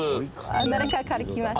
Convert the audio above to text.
アメリカから来ました。